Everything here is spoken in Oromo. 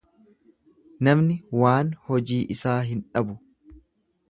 Namni waan hojii isaa hin dhabu.